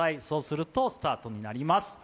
そうするとスタートになります。